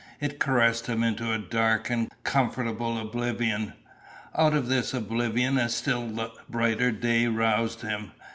It caressed him into a dark and comfortable oblivion. Out of this oblivion a still brighter day roused him.